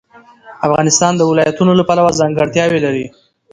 افغانستان د ولایتونو له پلوه ځانګړتیاوې لري.